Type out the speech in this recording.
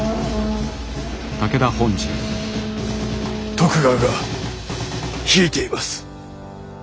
徳川が引いています。